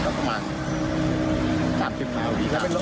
ก็ประมาณ๓๐นาที